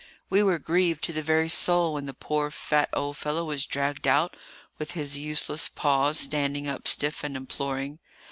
We were grieved to the very soul when the poor fat old fellow was dragged out, with his useless paws standing up stiff and imploring.